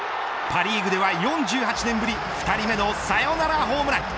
パ・リーグでは４８年ぶり２人目のサヨナラホームラン。